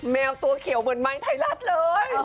แมวตัวเขียวเหมือนไม้ไทยรัฐเลย